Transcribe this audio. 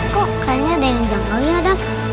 kok kayaknya ada yang jangkau ya dak